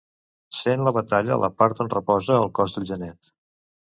Sent la batalla la part on reposa el cos del genet.